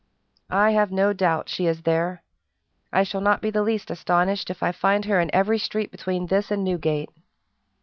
"I have no doubt she is there. I shall not be the least astonished if I find her in every street between this and Newgate."